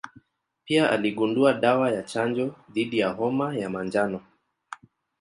Pia aligundua dawa ya chanjo dhidi ya homa ya manjano.